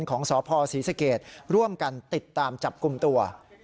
ชุดสืบสวนของสศศรีสเกตร่วมกันติดตามจับกลุ้มตัว